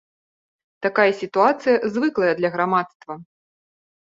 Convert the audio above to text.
Такая сітуацыя звыклая для грамадства.